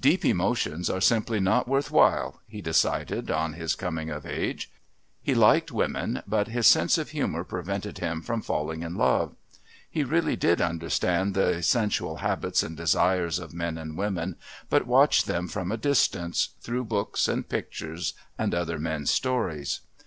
"Deep emotions are simply not worth while," he decided on his coming of age. He liked women but his sense of humour prevented him from falling in love. He really did understand the sensual habits and desires of men and women but watched them from a distance through books and pictures and other men's stories.